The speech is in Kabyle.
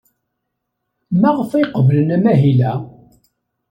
Maɣef ay qeblen amahil-a?